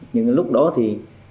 nhưng lúc đó thì